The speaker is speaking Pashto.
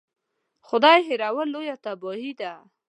خدای هېرول لویه تباهي ده.